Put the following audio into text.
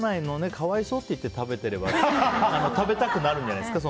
可哀想って言って食べてたら食べたくなるんじゃないですか？